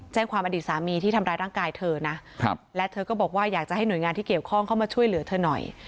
อดีตสามีที่ทำร้ายร่างกายเธอนะและเธอก็บอกว่าอยากจะให้หน่วยงานที่เกี่ยวข้องเข้ามาช่วยเหลือเธอหน่อย